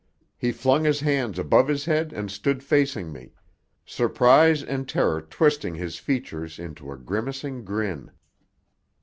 He flung his hands above his head and stood facing me, surprise and terror twisting his features into a grimacing grin.